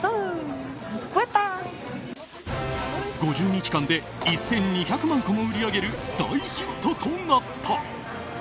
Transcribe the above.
５０日間で１２００万個も売り上げる大ヒットとなった。